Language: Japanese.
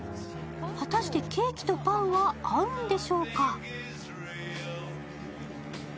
果たしてケーキとパンは合うんでしょうか。